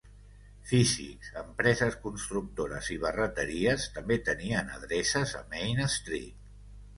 Físics, empreses constructores i barreteries també tenien adreces a Main Street.